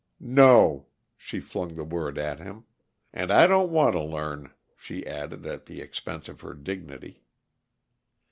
"No!" she flung the word at him. "And I don't want to learn," she added, at the expense of her dignity.